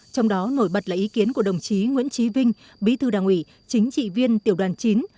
trong đó nổi bật là ý kiến của đồng chí nguyễn trí vinh bí thư đảng ủy chính trị viên tiểu đoàn chín